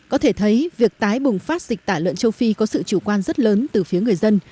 có thể thấy việc tái bùng phát dịch tả lợn châu phi có sự chủ quan rất lớn từ phía người dân